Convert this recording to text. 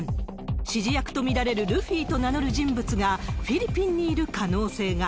指示役と見られるルフィと名乗る人物が、フィリピンにいる可能性が。